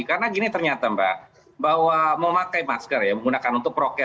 karena gini ternyata mbak bahwa mau pakai masker ya menggunakan untuk prokes itu mis